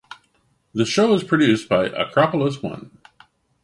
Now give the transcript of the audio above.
The show is produced by Acropolis One.